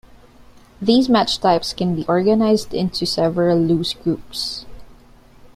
These match types can be organized into several loose groups.